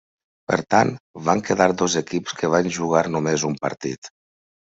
Per tant, van quedar dos equips, que van jugar només un partit.